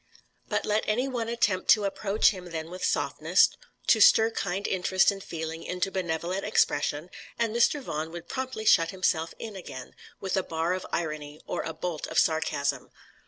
But let any one attempt to approach him then with softness, to stir kind interest and feeling into benevolent expression, and Mr. Vaughan would promptly shut himself in again, with a bar of irony, or a bolt of sarcasm.